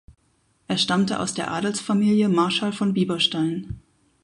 Er stammte aus der Adelsfamilie Marschall von Bieberstein.